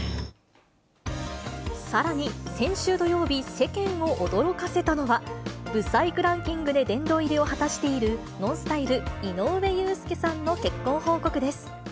さらに、先週土曜日、世間を驚かせたのは、ブサイクランキングで殿堂入りを果たしているＮＯＮＳＴＹＬＥ・井上裕介さんの結婚報告です。